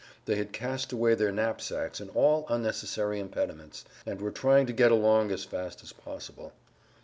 They had cast away their knapsacks and all unnecessary impediments, and were trying to get along as fast as possible.